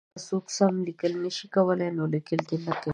که څوک سم لیکل نه شي کولای نو لیکل دې نه کوي.